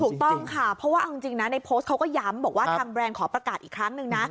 ถูกต้องค่ะเพราะว่าเอาจริงนะในโพสต์เขาก็ย้ำบอกว่าทางแบรนด์ขอประกาศอีกครั้งหนึ่งนะ